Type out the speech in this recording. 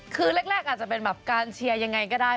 คือแรกอาจจะเป็นแบบการเชียร์ยังไงก็ได้